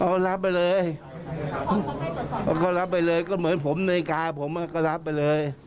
เขารับไปเลยเขาก็รับไปเลยก็เหมือนผมนาฬิกาผมก็รับไปเลย